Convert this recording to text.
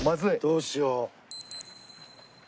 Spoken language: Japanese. どうしよう。